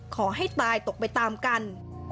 ขอให้ตายตกไปตามกัน